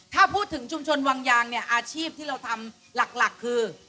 ถ้าพูดถึงชุมชนวังยางเนี่ยอาชีพที่เราทำหลักคือ